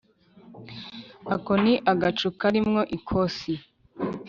ako ni agacu kari mwo ikosi